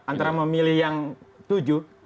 antara memilih yang tujuh